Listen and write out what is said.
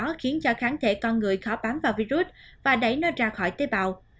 nó khiến cho kháng thể con người khó bám vào virus và đẩy nó ra khỏi tế bào